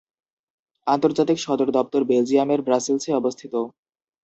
আন্তর্জাতিক সদর দপ্তর বেলজিয়ামের ব্রাসেলসে অবস্থিত।